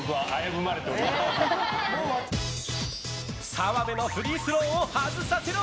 澤部のフリースローを外させろ！